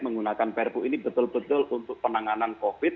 menggunakan perpu ini betul betul untuk penanganan covid